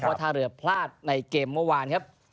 ท่าเรือพลาดในเกมเมื่อวานครับ